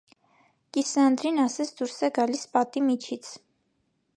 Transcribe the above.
Կիսանդրին ասես դուրս է գալիս պատի միջից։